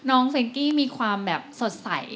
น้องเซงกี้มีความแบบสดใส